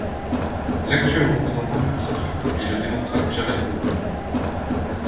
L'actuel représentant du district est le démocrate Jared Golden.